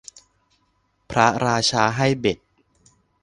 พระราชาให้เบ็ด